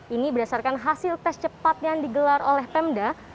ini berdasarkan hasil tes cepat yang digelar oleh pemda